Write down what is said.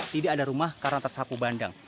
tidak ada rumah karena tersapu bandang